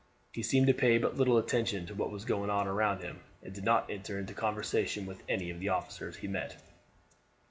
He seemed to pay but little attention to what was going on around him, and did not enter into conversation with any of the officers he met.